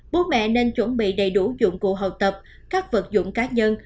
bố mẹ nên chuẩn bị đầy đủ dụng cụ học tập các vật dụng cá nhân